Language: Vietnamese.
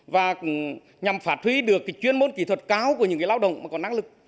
và nhằm phát huy được cái chuyên môn kỹ thuật cao của những người lao động mà còn năng lực